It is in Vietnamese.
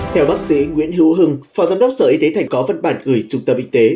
theo bác sĩ nguyễn hữu hưng phó giám đốc sở y tế thành có văn bản gửi trung tâm y tế